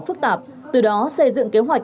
phức tạp từ đó xây dựng kế hoạch